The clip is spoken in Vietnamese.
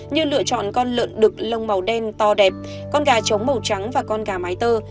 như lựa chọn con lợn đực lông màu đen to đẹp con gà trống màu trắng và con gà mái tơ